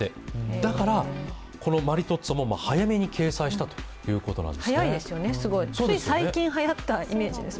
だからマリトッツォも早めに掲載したということなんですって。